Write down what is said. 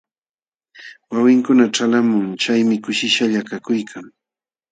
Wawinkunam ćhalqamun, chaymi kushishqalla kakuykan.